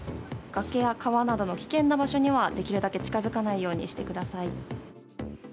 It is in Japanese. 崖や川などの危険な場所にはできるだけ近づかないようにしてください。